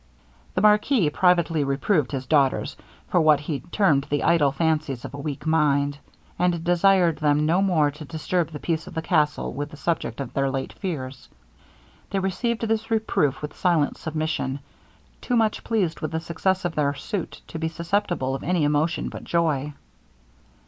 The marquis privately reproved his daughters, for what he termed the idle fancies of a weak mind; and desired them no more to disturb the peace of the castle with the subject of their late fears. They received this reproof with silent submission too much pleased with the success of their suit to be susceptible of any emotion but joy.